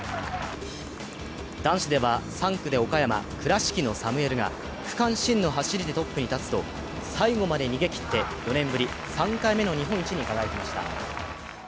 男子では３区で岡山・倉敷のサムエルが区間新の走りでトップに立つと最後まで逃げきって４年ぶり３回目の日本一に輝きました。